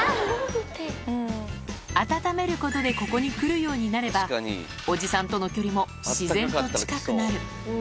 暖めることでここに来るようになれば、おじさんとの距離も自然と近くなる。